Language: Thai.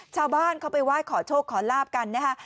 ชาวบ้านเขาไปไหว้ขอโชคขอลาบกันนะฮะ